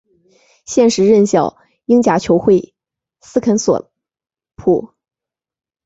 现时任教英甲球会斯肯索普。